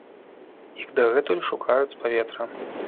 Іх дагэтуль шукаюць з паветра.